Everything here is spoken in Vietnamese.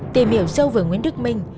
tìm hiểu sâu về nguyễn đức minh